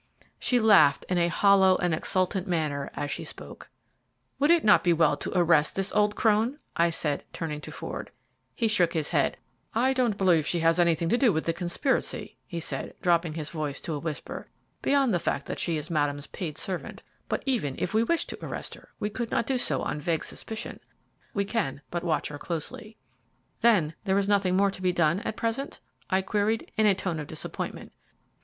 She laughed in a hollow and exultant manner as she spoke. "Would it not be well to arrest this old crone?" I said, turning to Ford. He shook his head. "I don't believe she has anything to do with the conspiracy," he said, dropping his voice to a whisper, "beyond the fact that she is Madame's paid servant; but even if we wished to arrest her, we could not do so on vague suspicion. We can but watch her closely." "Then there is nothing more to be done at present?" I queried, in a tone of disappointment.